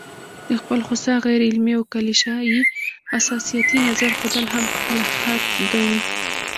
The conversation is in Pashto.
د خپل خوسا، غيرعلمي او کليشه يي حساسيتي نظر ښودل هم خپل حق ګڼي